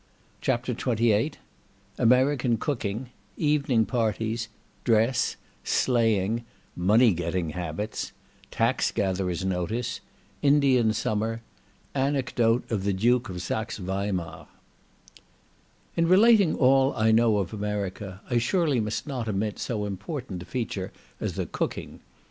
CHAPTER XXVIII American Cooking—Evening Parties—Dress—Sleighing—Money getting Habits—Tax Gatherer's Notice—Indian Summer—Anecdote of the Duke of Saxe Weimar In relating all I know of America, I surely must not omit so important a feature as the cooking.